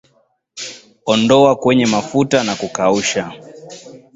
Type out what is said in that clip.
Ondoa kwenye mafuta na kukausha